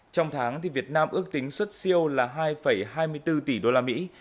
trong tháng việt nam ước tính xuất siêu là hai hai mươi bốn tỷ đô la mỹ